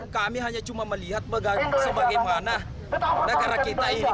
kami hanya cuma melihat sebagaimana negara kita ini